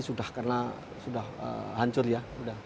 sudah hancur ya